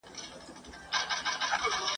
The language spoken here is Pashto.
نه طبیب نه عزراییل مو خواته راغی ..